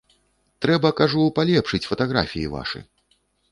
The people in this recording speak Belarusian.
Трэба, кажу, палепшыць фатаграфіі вашы.